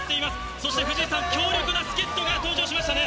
そして藤井さん、強力な助っ人が登場しましたね。